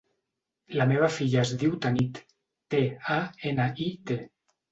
La meva filla es diu Tanit: te, a, ena, i, te.